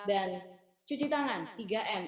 dan cuci tangan tiga m